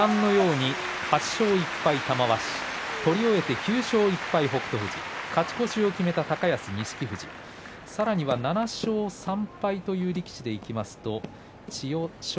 ８勝１敗、玉鷲取り終えて９勝１敗、北勝富士勝ち越しを決めた高安、錦富士さらには７勝３敗という力士でいきますと千代翔